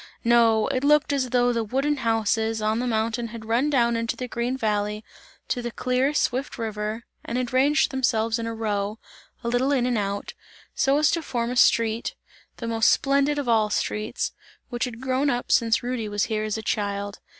No! it looked as though the wooden houses, on the mountain had run down into the green valley, to the clear, swift river and had ranged themselves in a row a little in and out so as to form a street, the most splendid of all streets, which had grown up since Rudy was here as a child.